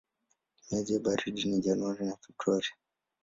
Miezi ya baridi ni Januari na Februari.